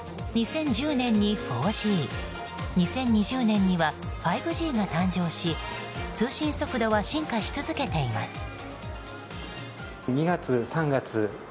２０１０年に４Ｇ２０２０年には５Ｇが誕生し通信速度は進化し続けています。